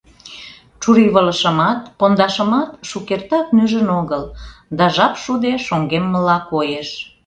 Чурийвылышымат, пондашымат шукертак нӱжын огыл, да жап шуде шоҥгеммыла коеш.